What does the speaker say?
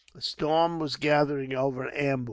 A storm was gathering over Ambur.